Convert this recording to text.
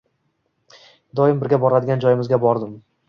Doim birga boradigan joyimizga bordim